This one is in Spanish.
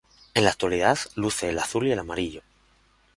En la actualidad luce el azul y el amarillo.